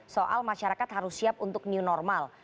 soal masyarakat harus siap untuk new normal